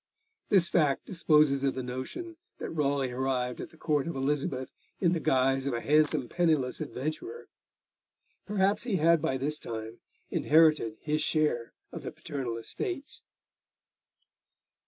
This fact disposes of the notion that Raleigh arrived at the Court of Elizabeth in the guise of a handsome penniless adventurer. Perhaps he had by this time inherited his share of the paternal estates.